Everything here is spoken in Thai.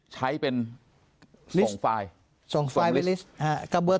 ใช้เป็นส่องไฟล์